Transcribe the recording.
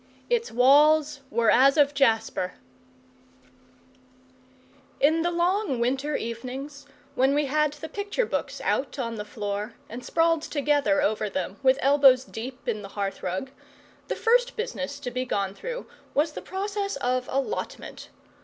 ITS WALLS WERE AS OF JASPER In the long winter evenings, when we had the picture books out on the floor, and sprawled together over them with elbows deep in the hearth rug, the first business to be gone through was the process of allotment.